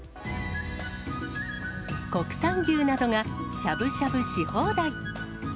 国産牛などがしゃぶしゃぶし放題。